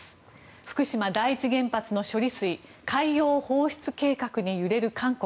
福島第一原発の処理水海洋放出計画に揺れる韓国。